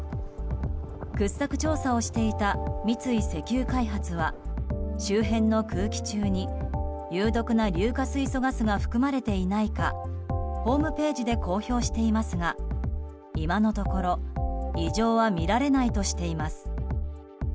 掘削調査をしていた三井石油開発は周辺の空気中に有毒な硫化水素ガスが含まれていないかホームページで公表していますが今のところ異常は見られないとしています。